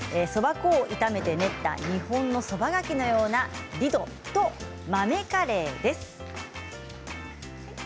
そば粉を炒めて練った日本のそばがきのようなディドと豆カレーです。